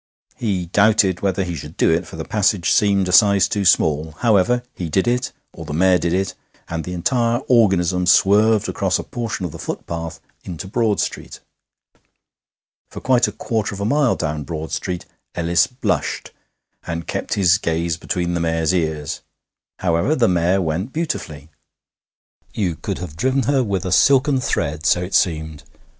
He doubted whether he should do it, for the passage seemed a size too small. However, he did it, or the mare did it, and the entire organism swerved across a portion of the footpath into Broad Street. For quite a quarter of a mile down Broad Street Ellis blushed, and kept his gaze between the mare's ears. However, the mare went beautifully. You could have driven her with a silken thread, so it seemed.